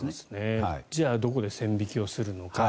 じゃあどこで線引きをするのか。